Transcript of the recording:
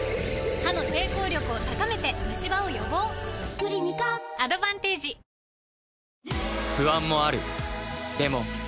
クリニカアドバンテージあれ？